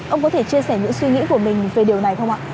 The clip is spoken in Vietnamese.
ông có thể chia sẻ những suy nghĩ của mình về điều này không ạ